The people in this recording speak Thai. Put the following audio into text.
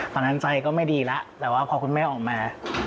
ตอนนั้นใจก็ไม่ดีแล้วแต่ว่าพอคุณแม่ออกมา